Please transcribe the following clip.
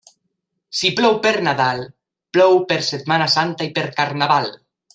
Si plou per Nadal, plou per Setmana Santa i per Carnaval.